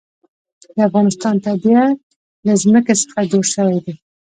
د افغانستان طبیعت له ځمکه څخه جوړ شوی دی.